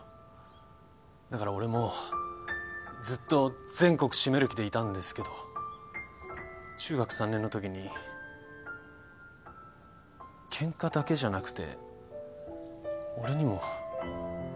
だから俺もずっと全国シメる気でいたんですけど中学３年のときにケンカだけじゃなくて俺にも。